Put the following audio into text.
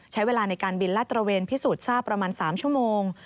ใช้เวลาในการบินลาดตระเวนพิสูจน์ทราบประมาณ๓ชั่วโมง